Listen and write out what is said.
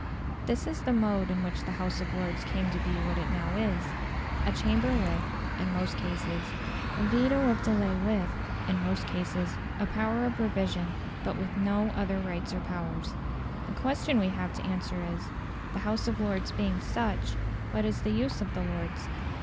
This is the mode in which the House of Lords came to be what it now is, a chamber with (in most cases) a veto of delay with (in most cases) a power of revision, but with no other rights or powers. The question we have to answer is, "The House of Lords being such, what is the use of the Lords?"